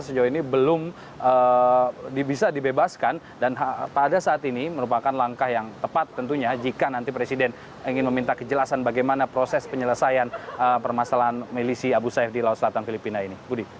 sejauh ini belum bisa dibebaskan dan pada saat ini merupakan langkah yang tepat tentunya jika nanti presiden ingin meminta kejelasan bagaimana proses penyelesaian permasalahan milisi abu sayyaf di laut selatan filipina ini